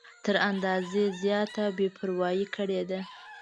تر اندازې زیاته بې پروايي کړې ده.